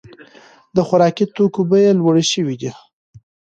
د خوراکي توکو بیې لوړې شوې دي.